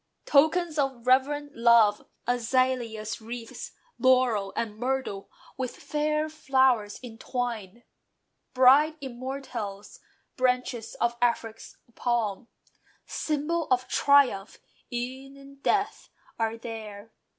Tokens of reverent love, azalea wreaths, Laurel and myrtle, with fair flowers entwined, Bright immortelles, branches of Afric's palm, (Symbol of triumph e'en in death) are there.